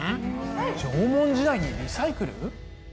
縄文時代にリサイクル？